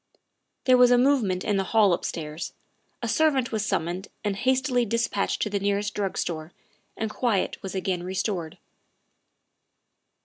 '' There was a movement in the hall upstairs ; a servant was summoned and hastily dispatched to the nearest drug store, and quiet was again restored.